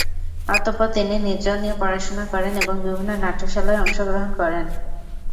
অতঃপর তিনি নৃত্য নিয়ে পড়াশুনা করেন এবং বিভিন্ন নাট্যশালায় অংশগ্রহণ করেন।